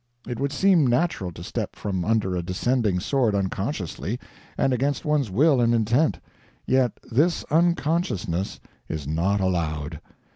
It would seem natural to step from under a descending sword unconsciously, and against one's will and intent yet this unconsciousness is not allowed.